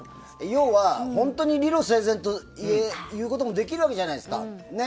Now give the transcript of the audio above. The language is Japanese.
要は本当に理路整然と言うこともできるわけじゃないですか。